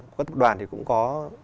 các tập đoàn thì cũng có